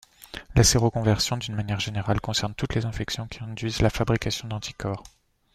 La séroconversion, d'une manière générale, concerne toutes les infections qui induisent la fabrication d’anticorps.